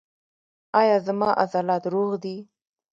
ایا زما عضلات روغ دي؟